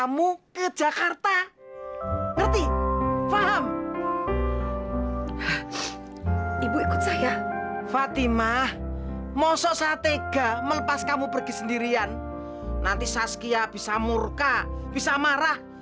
masa saat tega melepas kamu pergi sendirian nanti saskia bisa murka bisa marah